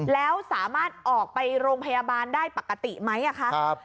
แล้วสามารถออกไปโรงพยาบาลได้ปกติไหมคะ